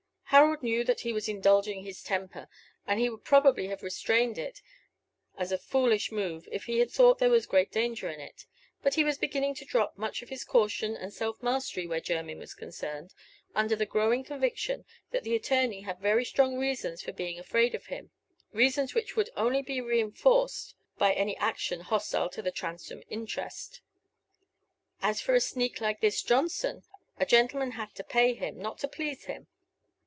Harold knew that he was indulging his temper, and he would probably have restrained it as a foolish move if he had thought there was great danger in it. But he was beginning to drop much of his caution and self mastery where Jermyn was concerned, under the growing conviction that the attorney had very strong reasons for being afraid of him; reasons which would only be reinforced by any action hostile to the Transome interest. As for a sneak like this Johnson, a gentleman had to pay him, not to please him.